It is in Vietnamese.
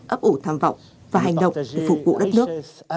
ấp ủ tham vọng và hành động phục vụ đất nước